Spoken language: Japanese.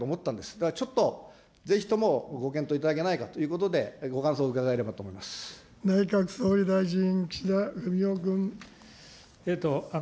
だからちょっと、ぜひともご検討いただけないかということで、内閣総理大臣、岸田文雄君。